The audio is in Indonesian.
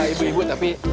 ibu ibu tapi